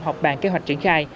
hoặc bàn kế hoạch triển khai